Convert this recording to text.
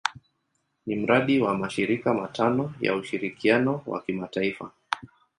Ni mradi wa mashirika matano ya ushirikiano wa kimataifa.